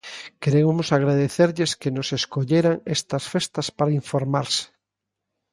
Queremos agradecerlles que nos escolleran estas festas para informarse.